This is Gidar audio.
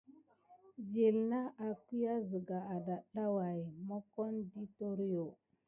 Zila na hakuya siga adada way mokone di toryo.